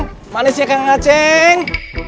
hei cantiknya kak ngaceng